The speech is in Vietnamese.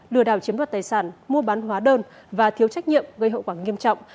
lừa đảo chiếm đoạt tài sản mua bán hóa đơn và thiếu trách nhiệm gây hậu quả nghiêm trọng